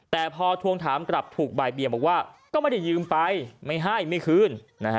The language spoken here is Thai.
แต่พอทวงถามกลับถูกบ่ายเบียงบอกว่าก็ไม่ได้ยืมไปไม่ให้ไม่คืน